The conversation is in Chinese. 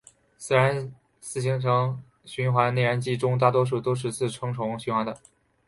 四行程循环内燃机中大多都是四冲程循环的。